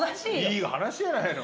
いい話じゃないの。